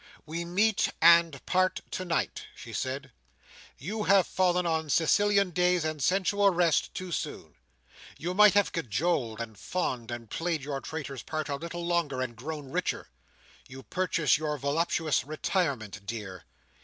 "We meet and part tonight," she said. "You have fallen on Sicilian days and sensual rest, too soon. You might have cajoled, and fawned, and played your traitor's part, a little longer, and grown richer. You purchase your voluptuous retirement dear!"